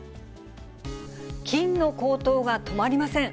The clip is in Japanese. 金の高騰が止まりません。